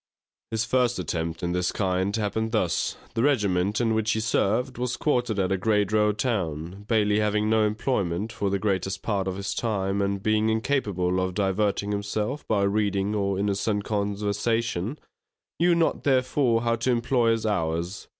His first attempt in this kind happened thus. The regiment in which he served was quartered at a great road town; Bailey having no employment for the greatest part of his time, and being incapable of diverting himself by reading or innocent conversation, knew not therefore how to employ his hours.